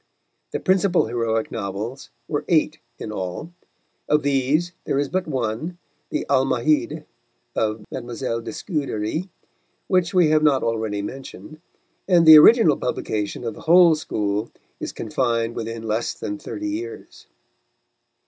The principal heroic novels were eight in all; of these there is but one, the Almahide of Mile, de Scudéry, which we have not already mentioned, and the original publication of the whole school is confined within less than thirty years.